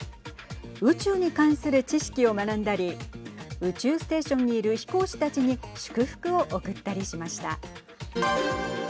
宇宙に関する知識を学んだり宇宙ステーションにいる飛行士たちに祝福を送ったりしました。